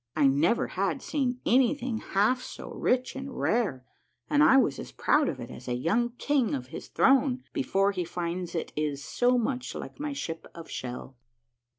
I never had seen anything half so rich and rare, and I was as proud of it as a young king of his throne before he finds it is so much like my ship of shell.